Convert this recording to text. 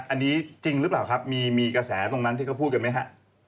อันนี้จริงหรือเปล่าครับมีกระแสตรงนั้นที่เขาพูดกันไหมฮะ